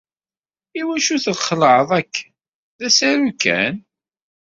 Iwacu txelɛeḍ akken? D asaru kan.